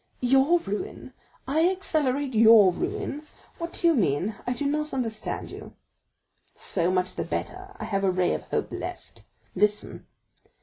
"Your ruin? I accelerate your ruin? What do you mean? I do not understand you." "So much the better, I have a ray of hope left; listen."